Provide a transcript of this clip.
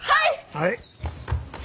はい。